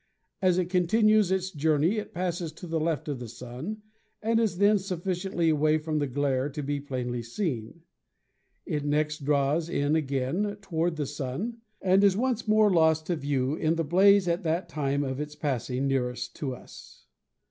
As it continues its journey it passes to the left of the Sun, and is then sufficiently away from the glare to be plainly seen. It next draws in again to ward the Sun, and is once more lost to view in the blaze at the time of its passing nearest to us.